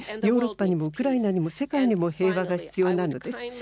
ヨーロッパにもウクライナにも世界にも平和が必要なのです。